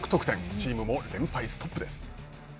チームも連敗ストップです。